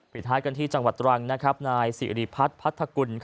ท้ายกันที่จังหวัดตรังนายสิริพัฒน์พัทธกุล